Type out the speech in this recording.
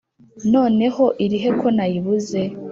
noneho irihe ko nayibuze?